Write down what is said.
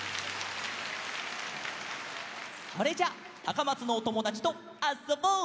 それじゃあたかまつのおともだちとあっそぼう！